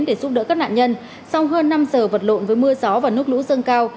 để giúp đỡ các nạn nhân sau hơn năm giờ vật lộn với mưa gió và nước lũ dâng cao